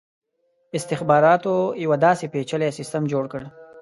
استخباراتو یو داسي پېچلی سسټم جوړ کړ.